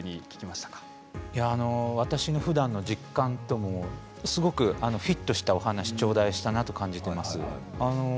私のふだんの実感とすごくフィットしたお話を頂戴したなと感じています。